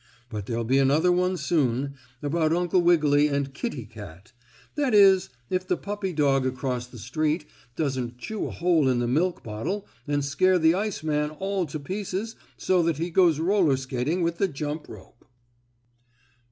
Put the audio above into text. But there'll be another one soon, about Uncle Wiggily and Kittie Kat that is if the puppy dog across the street doesn't chew a hole in the milk bottle and scare the iceman all to pieces so that he goes roller skating with the jumping rope.